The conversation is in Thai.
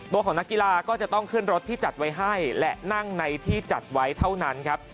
ตัวของนักกีฬาก็จะต้องขึ้นรถที่จัดไว้ให้และนั่งในที่จัดไว้เท่านั้นครับ